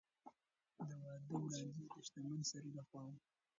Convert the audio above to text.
د واده وړاندیز د شتمن سړي له خوا و.